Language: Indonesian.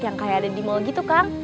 yang kayak ada di mall gitu kan